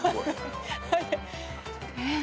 えっ？